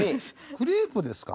クレープですか？